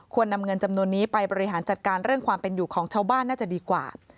นำเงินจำนวนนี้ไปบริหารจัดการเรื่องความเป็นอยู่ของชาวบ้านน่าจะดีกว่า